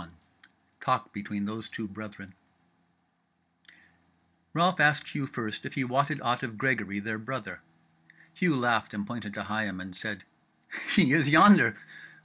CHAPTER 21 Talk Between Those Two Brethren Ralph asked Hugh first if he wotted aught of Gregory their brother. Hugh laughed and pointed to Higham, and said: "He is yonder."